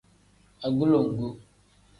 Agulongu.